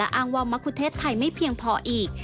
อ้างว่ามะคุเทศไทยไม่เพียงพออีก